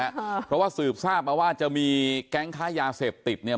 เพราะว่าสืบทราบมาว่าจะมีแก๊งค้ายาเสพติดเนี่ย